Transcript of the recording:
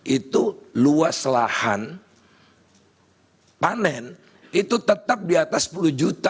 itu luas lahan panen itu tetap di atas sepuluh juta